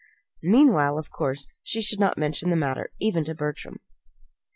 Meanwhile, of course, she should not mention the matter, even to Bertram.